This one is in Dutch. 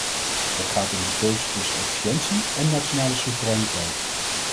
Het gaat om de keuze tussen efficiëntie en nationale soevereiniteit.